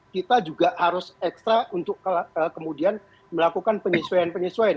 kita juga harus ekstra untuk kemudian melakukan penyesuaian penyesuaian